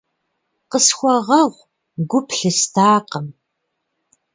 Къысхуэгъэгъу, гу плъыстакъым.